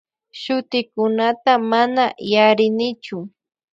Shutikunata mana yarinichu.